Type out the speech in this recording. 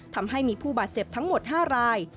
ทำให้มีผู้บาดเจ็บทั้งหมด๕ราย